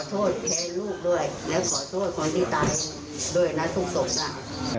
สุดสิงห์แล้วลูกชายก็ต้องจบกว่าค่อยไป